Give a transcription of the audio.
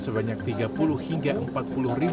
sebanyak tiga puluh hingga empat puluh hektare